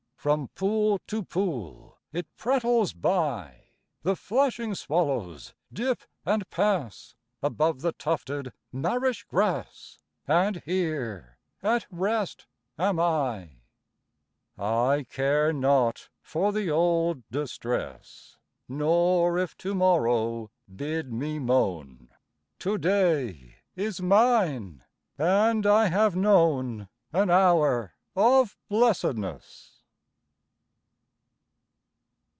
From pool to pool it prattles by; The flashing swallows dip and pass, Above the tufted marish grass, And here at rest am I. I care not for the old distress, Nor if to morrow bid me moan; To day is mine, and I have known An hour of blessedness.